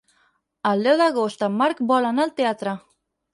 El deu d'agost en Marc vol anar al teatre.